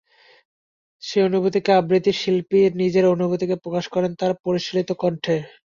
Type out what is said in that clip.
সেই অনুভূতিকে আবৃত্তি শিল্পী নিজের অনুভূতিকেই প্রকাশ করেন তাঁর পরিশীলিত কণ্ঠে।